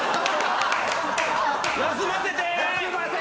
休ませて！